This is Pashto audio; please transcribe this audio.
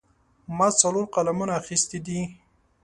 ما څلور قلمونه اخیستي دي.